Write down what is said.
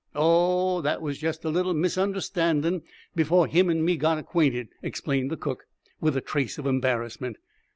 "Oh, that was jest a little misunderstandin', before him an' me got acquainted," explained the cook, with a trace of embarrassment.